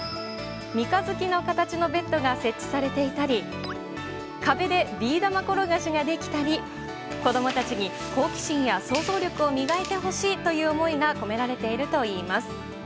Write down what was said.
三日月の形のベッドが設置されていたり壁でビー玉転がしができたり子供たちに好奇心や創造力を磨いてほしいという思いが込められているといいます。